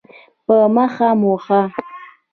په مخه مو ښه.